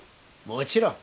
もちろん。